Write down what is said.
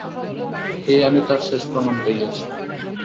এই আমি তার শেষ প্রণাম পাইয়াছি।